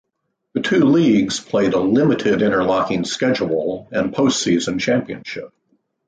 The two leagues played a limited interlocking schedule and post-season championship.